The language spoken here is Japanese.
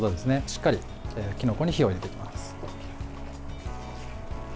しっかりきのこに火を入れていきます。